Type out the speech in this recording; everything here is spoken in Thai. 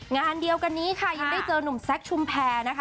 งานเดียวกันนี้ค่ะยังได้เจอหนุ่มแซคชุมแพรนะคะ